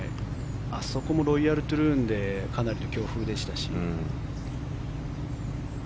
あそこもロイヤル・トゥルーンでかなりの強風でしたし。